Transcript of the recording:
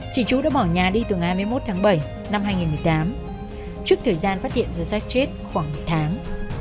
chị chú đã bỏ nhà đi từ ngày hai mươi một tháng bảy năm hai nghìn một mươi tám trước thời gian phát hiện gia sát chết khoảng một tháng